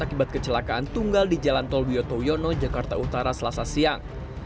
akibat kecelakaan tunggal di jalan tol wiyoto wiono jakarta utara selasa siang